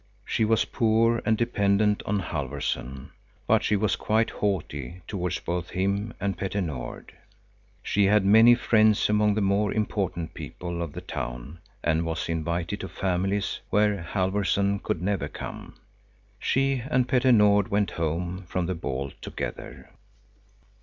She was poor and dependent on Halfvorson, but she was quite haughty towards both him and Petter Nord. She had many friends among the more important people of the town and was invited to families where Halfvorson could never come. She and Petter Nord went home from the ball together.